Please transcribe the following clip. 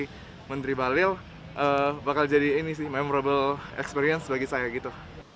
menteri balil bakal jadi ini sih memorable experience bagi saya gitu